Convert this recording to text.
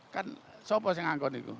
kan sobat yang anggun itu